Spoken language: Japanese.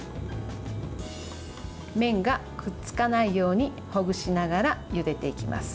麺がくっつかないようにほぐしながらゆでていきます。